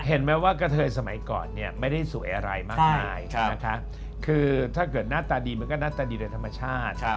เห็นไหมว่ากระเทยสมัยก่อนเนี่ยไม่ได้สวยอะไรมากมายนะคะคือถ้าเกิดหน้าตาดีมันก็หน้าตาดีโดยธรรมชาติ